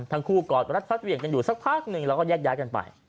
ทั้งคู่กอดกับรัฐฟัสเวียงกันอยู่สักพักนึงแล้วก็แยกย้ายกันไป